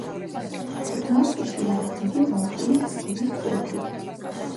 გდანსკში არის დიდი ბალტიის ზღვის პორტი.